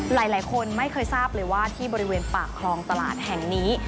หลายคนไม่เคยทราบเลยว่าที่บริเวณปากคลองตลาดแห่งนี้